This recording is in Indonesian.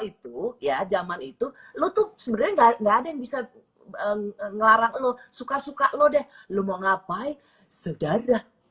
itu ya zaman itu lutut res bs marah urge lu suka suka lu deh lu mau ngapain sedarlos